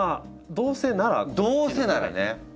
どうせならね。